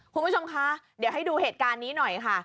คุณผู้ชมคะเดี๋ยวให้ดูเหตุการณ์นี้หน่อยค่ะ